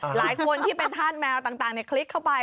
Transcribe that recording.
หลายคนที่เป็นธาตุแมวต่างคลิกเข้าไป